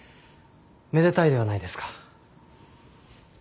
めでたいではないですか。